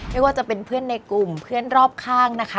ไม่ว่าจะเป็นเพื่อนในกลุ่มเพื่อนรอบข้างนะคะ